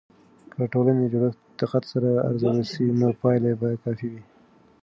که د ټولنې جوړښت دقت سره ارزول سي، نو پایلې به کافي وي.